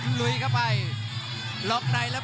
กรรมการเตือนทั้งคู่ครับ๖๖กิโลกรัม